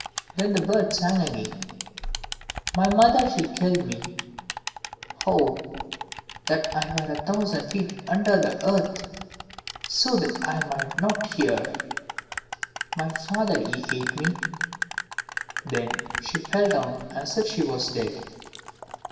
Then the bird sang again "My mother, she killed me;" "Oh, that I were a thousand feet under the earth, so that I might not hear!" "My father, he ate me," Then she fell down, as if she was dead.